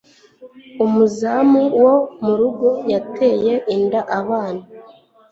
umuzamu wo mu rugo yateye inda abana